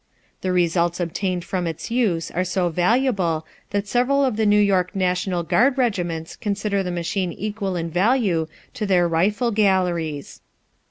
The results obtained from its use are so valuable that several of the New York National Guard regiments consider the machine equal in value to their rifle galleries.